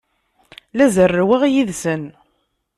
La zerrweɣ yid-sen.